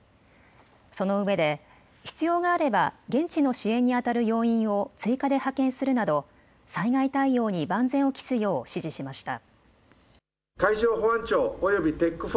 そのうえで必要があれば現地の支援に当たる要員を追加で派遣するなど災害対応に万全を期すよう指示しました。